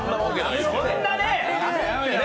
そんなねぇ。